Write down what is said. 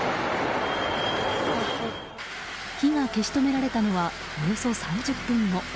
火が消し止められたのはおよそ３０分後。